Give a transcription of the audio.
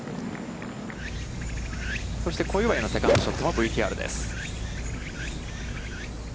そして小祝のセカンドショットもＶＴＲです。